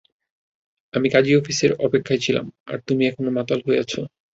আমি কাজি অফিসে অপেক্ষায় ছিলাম, আর তুমি এখানে মাতাল হয়ে আছো?